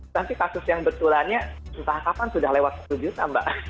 nanti kasus yang bertulannya entah kapan sudah lewat satu juta mbak